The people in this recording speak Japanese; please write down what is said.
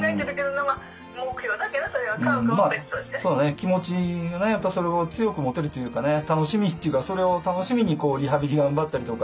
気持ちがねやっぱそれを強く持てるというかね楽しみというかそれを楽しみにリハビリ頑張ったりとか。